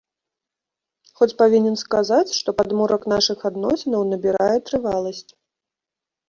Хоць павінен сказаць, што падмурак нашых адносінаў набірае трываласць.